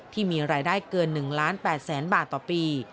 ที่มีรายได้เกิน๑ล้าน๘แสนบาทต่อปี